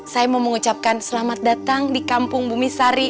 saya mau mengucapkan selamat datang di kampung bumisari